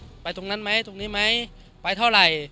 ไปตรงนั้นไหมตรงนี้ไหมไปเท่าไหร่